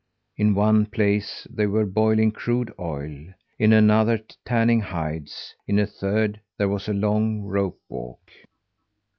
In one place they were boiling crude oil; in another tanning hides; in a third there was a long rope walk.